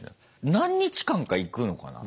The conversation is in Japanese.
何日間か行くのかな？